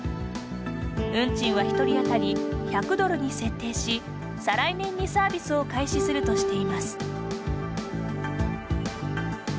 運賃は１人あたり１００ドルに設定し再来年にサービスを開始するとしています。